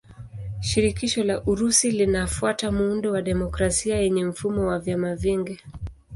Shirikisho la Urusi linafuata muundo wa demokrasia yenye mfumo wa vyama vingi.